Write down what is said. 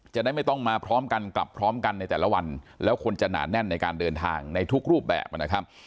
จะได้ไม่ต้องมาพร้อมกันกลับพร้อมกันในแต่ละวันแล้วคนจะหนาแน่นในการเดินทางในทุกรูปแบบนะครับ